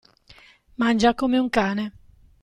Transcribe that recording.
Mangia come un cane.